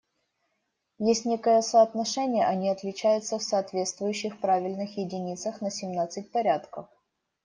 Есть некое соотношение, они отличаются в соответствующих правильных единицах на семнадцать порядков.